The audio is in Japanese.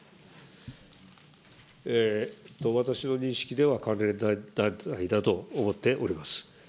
私の認識では関連団体だと思っております。